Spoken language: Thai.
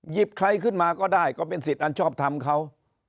ใครขึ้นมาก็ได้ก็เป็นสิทธิ์อันชอบทำเขา